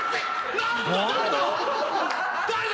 何だ？